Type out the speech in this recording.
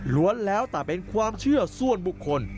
้วนแล้วแต่เป็นความเชื่อส่วนบุคคล